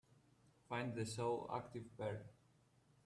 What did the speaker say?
Find the show ActivePerl